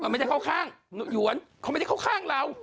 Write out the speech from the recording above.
ไม่ได้เข้าข้างหยวนเขาไม่ได้เข้าข้างเรา